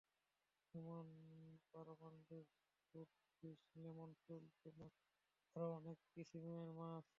Salmon, barramundi, swordfish, lemon sole, tuna, John Dory আরও অনেক কিসিমের মাছ।